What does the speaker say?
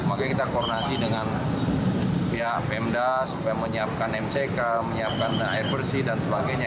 makanya kita koordinasi dengan pihak pemda supaya menyiapkan mck menyiapkan air bersih dan sebagainya